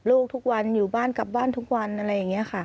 ขอมอบจากท่านรองเลยนะครับขอมอบจากท่านรองเลยนะครับขอมอบจากท่านรองเลยนะครับ